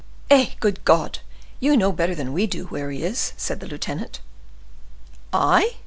"Eh! good God! you know better than we do where he is," said the lieutenant. "I?"